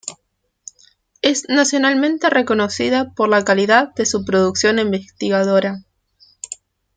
Es nacionalmente reconocida por la calidad de su producción investigadora.